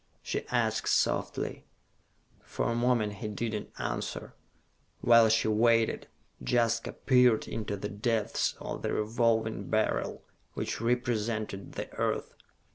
she asked softly. For a moment he did not answer. While she waited, Jaska peered into the depths of the Revolving Beryl, which represented the earth.